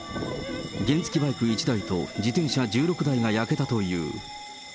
原付バイク１台と自転車１６台が焼けたという。